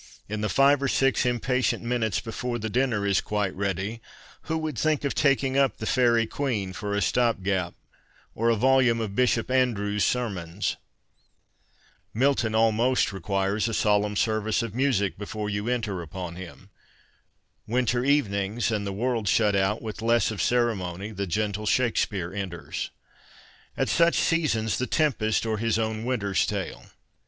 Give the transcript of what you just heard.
In the five or six impatient minutes before the dinner is quite ready, who would think of taking up the Faerie Queene for a stop gap, or a volume of Bishop Andrewes' sermons ? Milton almost requires a solemn service of music before you enter upon him. Winter evenings — and 32 CONFESSIONS OF A BOOK LOVER the world shut out — with less of ceremony the gentle Shakespeare enters. At such seasons The Tempest, or his own Winter's Tale.